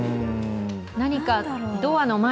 何かドアの前？